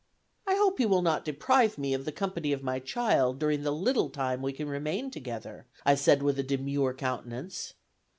"I hope you will not deprive me of the company of my child during the little time we can remain together," I said with a demure countenance.